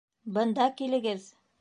Бында килегеҙ!